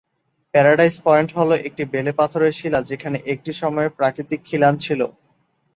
Paradise Point হল একটি বেলেপাথরের শিলা যেখানে একটি সময়ে প্রাকৃতিক খিলান ছিল।